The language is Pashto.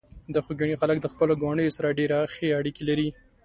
د خوږیاڼي خلک د خپلو ګاونډیو سره ډېرې ښې اړیکې لري.